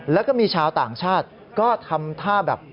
แล้วก็มีชาวต่างชาติก็ทำท่าแบบ